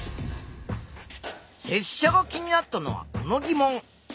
せっしゃが気になったのはこの疑問。